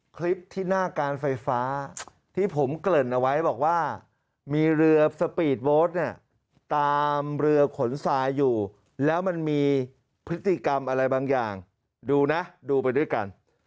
คลิปที่หน้าการไฟฟ้าที่ผมเกริ่นเอาไว้บอกว่ามีเรือสปีดโบ๊ทเนี่ยตามเรือขนทรายอยู่แล้วมันมีพฤติกรรมอะไรบางอย่างดูนะดูไปด้วยกัน